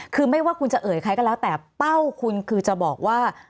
คือไม่ว่าคุณจะเอ่ยใครก็แล้วแต่เป้าคุณคือจะบอกว่า